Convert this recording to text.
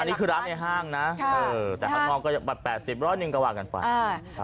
อันนี้คือร้านในห้างนะค่ะเออแต่ของก็จะปัดแปดสิบร้อยนึงกระวังกันไปอ่า